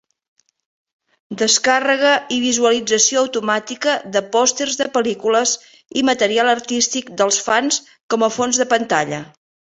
Descàrrega i visualització automàtica de pòsters de pel·lícules i material artístic dels fans com a fons de pantalla.